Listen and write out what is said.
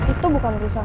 itu bukan urusan